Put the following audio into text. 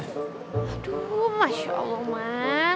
aduh masya allah man